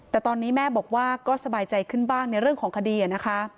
แต่ตอนนี้แม่บอกว่าก็สบายใจขึ้นบ้างในเรื่องของคดีนะคะ